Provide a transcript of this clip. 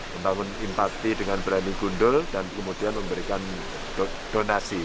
membangun empati dengan berani gundul dan kemudian memberikan donasi